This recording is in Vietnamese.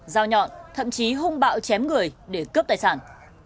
dao nhọn thậm chí hung bạo chém người để cướp tài sản